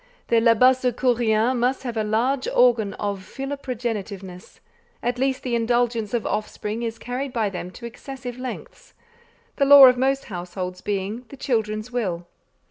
The Labassecouriens must have a large organ of philoprogenitiveness: at least the indulgence of offspring is carried by them to excessive lengths; the law of most households being the children's will.